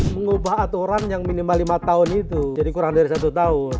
mengubah aturan yang minimal lima tahun itu jadi kurang dari satu tahun